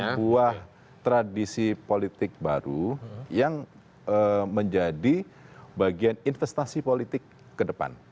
sebuah tradisi politik baru yang menjadi bagian investasi politik ke depan